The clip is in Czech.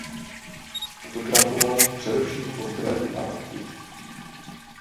Fotografoval především portréty a akty.